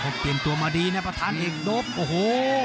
พอเปลี่ยนตัวมาดีนะประธานเอกโดปโอ้โห